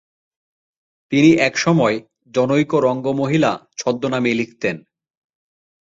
তিনি একসময় "জনৈক বঙ্গমহিলা" ছদ্মনামে লিখতেন।